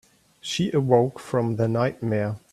She awoke from the nightmare.